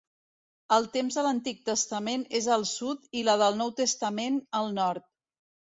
El temps de l'Antic Testament és al sud i la del Nou Testament al nord.